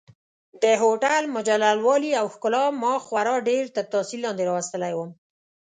د هوټل مجلل والي او ښکلا ما خورا ډېر تر تاثیر لاندې راوستلی وم.